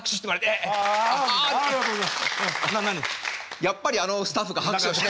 やっぱりあのスタッフが拍手をしない。